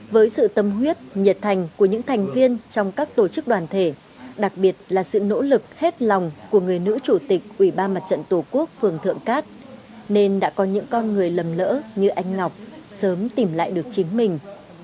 với sự tâm huyết nhiệt thành của những thành viên trong các tổ chức đoàn thể đặc biệt là sự nỗ lực hết lòng của người nữ chủ tịch ủy ban mặt trận tổ quốc phường thượng cát nên đã có những con người lầm lỡ như anh ngọc sớm tìm lại được chính mình